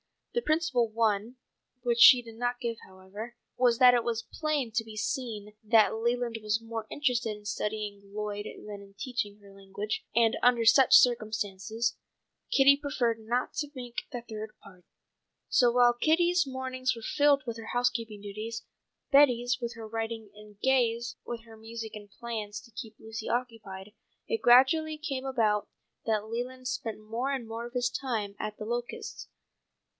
The principal one, which she did not give however, was that it was plain to be seen that Leland was more interested in studying Lloyd than in teaching her a language, and under such circumstances, Kitty preferred not to make the third party. So while Kitty's mornings were filled with her housekeeping duties, Betty's with her writing and Gay's with her music and plans to keep Lucy occupied, it gradually came about that Leland spent more and more of his time at The Locusts.